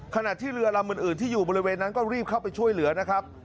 ขณะที่เรือลำอื่นที่อยู่บริเวณนั้นก็รีบเข้าไปช่วยเหลือนะครับ